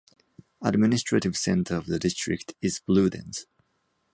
Administrative center of the district is Bludenz.